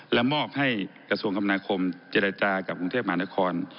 และมอบให้กระทรวงคำนาคมเจรจากับกรุงเทพมหานคร